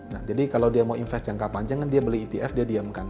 nah jadi kalau dia mau investasi jangka panjang kan dia beli etf dia diamkan